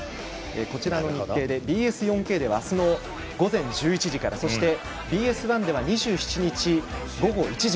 こちらの日程でＢＳ４Ｋでは明日の午前１１時からＢＳ１では２７日午後１時